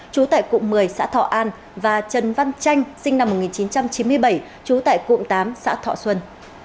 chú tại cụm một mươi xã thọ an và trần văn chanh sinh năm một nghìn chín trăm chín mươi bảy chú tại cụm tám xã thọ xuân